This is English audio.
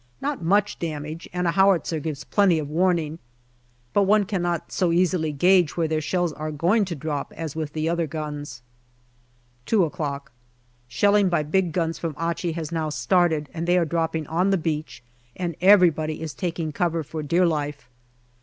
Not much damage, and a howitzer gives plenty of warning. But one cannot so easily gauge where their shells are going to drop as with the other guns. 2 o'clock. Shelling by big guns from Achi has now started, and they are dropping on the beach, and everybody is taking cover for dear life.